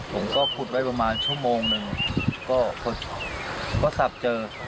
ผมก็ขุดไว้ประมาณชั่วโมงหนึ่งก็พอสับเจอ